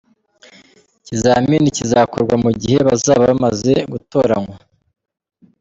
Ikizamini kizakorwa mu gihe bazaba bamaze gutoranywa.